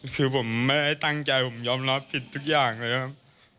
คือผมไม่ได้ตั้งใจผมยอมรับผิดทุกอย่างเลยครับ